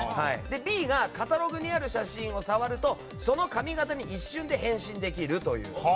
Ｂがカタログにある写真を触るとその髪形に一瞬で変身できるという。